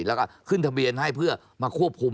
แล้วก็ขึ้นทะเบียนให้เพื่อมาควบคุม